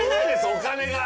お金が。